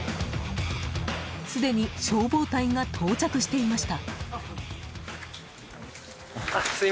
すでに消防隊が到着していました。